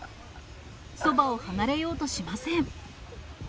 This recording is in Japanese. そばを離れようとしません。